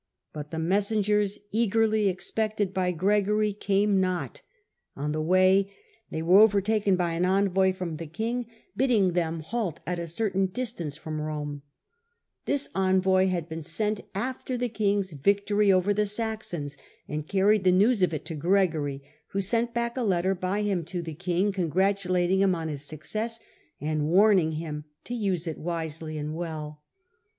But the messengers, eagerly expected by Gregory, came not ; on the way they were Digitized by VjOO^IC Strife between Henry TV. and the Poir 109 overtaken by an envoy from the king, bidding them halt at a certain distance from Rome. This envoy had been sent after the king's victory over the Saxons, and carried the news of it to Gregory, who sent back a letter by him to the king, congratulating him on his success, and warning him to use it wisely and well.